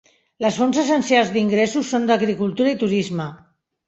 Les fonts essencials d'ingressos són agricultura i turisme.